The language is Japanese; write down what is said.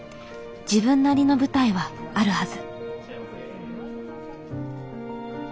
自分なりの舞台はあるはず。